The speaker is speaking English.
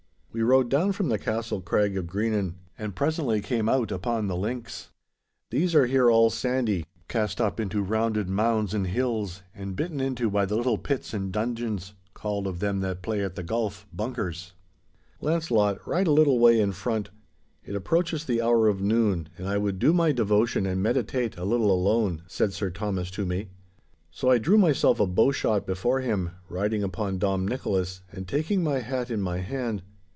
We rode down from the castle crag of Greenan, and presently came out upon the links. These are here all sandy, cast up into rounded mounds and hills, and bitten into by the little pits and dungeons, called of them that play at the golf, 'bunkers.' 'Launcelot, ride a little way in front. It approaches the hour of noon, and I would do my devotion and meditate a little alone,' said Sir Thomas to me. So I drew myself a bowshot before him, riding upon Dom Nicholas, and taking my hat in my hand.